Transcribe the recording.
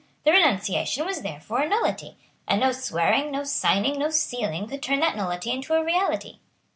That renunciation was therefore a nullity; and no swearing, no signing, no sealing, could turn that nullity into a reality.